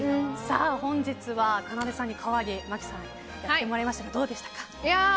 本日は、かなでさんに代わり麻貴さんにやってもらいましたがいかがでしたか？